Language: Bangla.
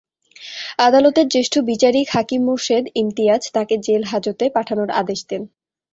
আদালতের জ্যেষ্ঠ বিচারিক হাকিম মোর্শেদ ইমতিয়াজ তাঁকে জেল হাজতে পাঠানোর আদেশ দেন।